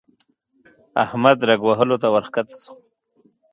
احمد رګ وهلو ته ورکښته شو.